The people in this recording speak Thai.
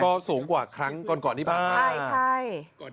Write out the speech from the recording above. ก็สูงกว่าครั้งก่อนที่พัก